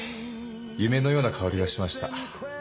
夢のような香りがしました。